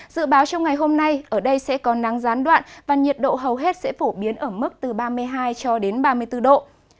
dự báo trong ngày hôm nay ở đây sẽ có nắng gián đoạn và nhiệt độ hầu hết sẽ phổ biến ở mức từ ba mươi hai cho đến ba mươi bốn độ